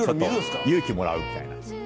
勇気もらうみたいな。